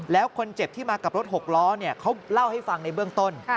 แล้วคนเจ็บที่มากับรถ๖ล้อเขาเล่าให้ฟังในเบื้องต้น